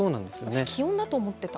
私気温だと思ってた。